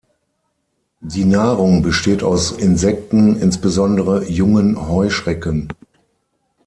Die Nahrung besteht aus Insekten, insbesondere jungen Heuschrecken.